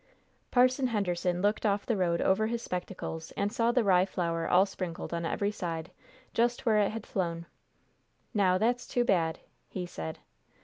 Parson Henderson looked off the road over his spectacles and saw the rye flour all sprinkled on every side, just where it had flown. "Now that's too bad!" he said.